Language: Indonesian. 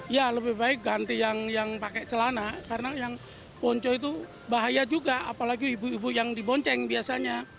ya lebih baik ganti yang pakai celana karena yang ponco itu bahaya juga apalagi ibu ibu yang dibonceng biasanya